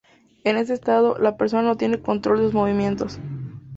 En este estado, la persona no tiene control de sus movimientos.